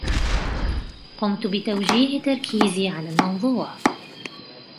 قمت بتوجيه تركيزي على الموضوع.